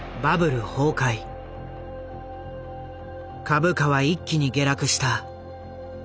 株価は一気に下落した。